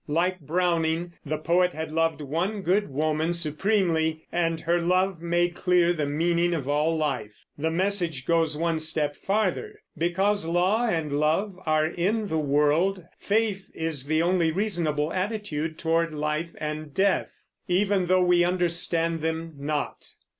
Like Browning, the poet had loved one good woman supremely, and her love made clear the meaning of all life. The message goes one step farther. Because law and love are in the world, faith is the only reasonable attitude toward life and death, even though we understand them not.